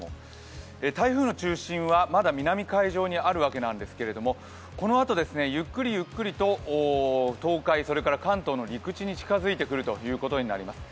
台風の中心はまだ南海上にあるわけなんですけれどもこのあとゆっくりゆっくりと東海、それから関東の陸地に近づいてくることになります。